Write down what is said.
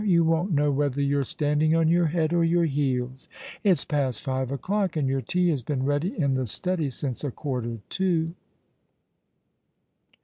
You won't know whether you're standing on your head or your heels. It's past five o'clock, and your tea has bean ready in the study since a quarter to."